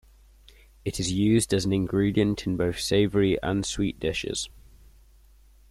It is used as an ingredient in both savory and sweet dishes.